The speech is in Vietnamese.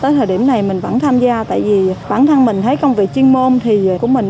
tới thời điểm này mình vẫn tham gia tại vì bản thân mình thấy công việc chuyên môn thì về của mình